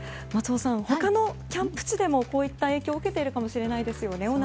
松尾さん、他のキャンプ地でもこういった影響を受けているかもしれないですよね